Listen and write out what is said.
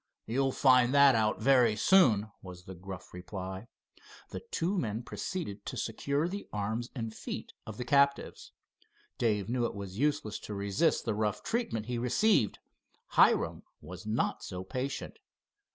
"You'll find that out very soon," was the gruff reply. The two men proceeded to secure the arms and feet of the captives. Dave knew it was useless to resist the rough treatment he received. Hiram was not so patient.